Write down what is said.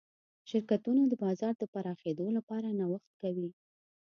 شرکتونه د بازار د پراخېدو لپاره نوښت کوي.